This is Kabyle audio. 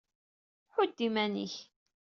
Ḥudd iman-ik!